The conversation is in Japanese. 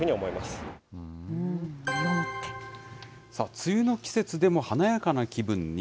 梅雨の季節でも華やかな気分に。